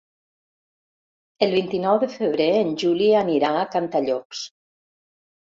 El vint-i-nou de febrer en Juli anirà a Cantallops.